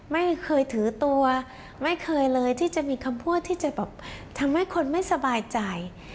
ไม่เคยถือตัวไม่เคยเลยที่จะมีคำพูดที่จะแบบทำให้คนไม่สบายใจ